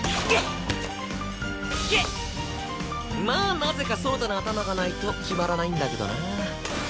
まあなぜか蒼汰の頭がないと決まらないんだけどな。